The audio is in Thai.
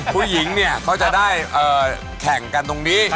ผู้หญิงเนี่ยเขาจะได้แข่งกันตรงนี้